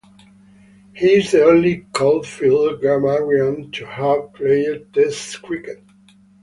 He is the only Caulfield Grammarian to have played Test cricket.